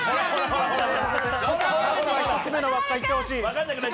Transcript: １つ目の輪っかに行ってほしい。